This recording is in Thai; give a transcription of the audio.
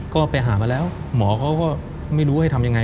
ก็ไปหามาแล้วหมอเขาก็ไม่รู้ให้ทำยังไง